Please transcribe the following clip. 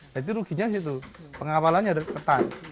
jadi ruginya di situ pengawalannya ada ketat